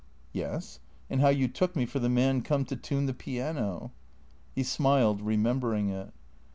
" Yes. And how you took me for the man come to tune the piano." He smiled, remembering it.